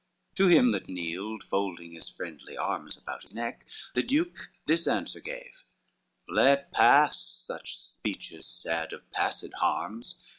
II To him that kneeled, folding his friendly arms About his neck, the duke this answer gave: "Let pass such speeches sad, of passed harms.